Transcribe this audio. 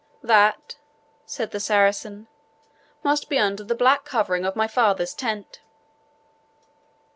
"That," said the Saracen, "must be under the black covering of my father's tent."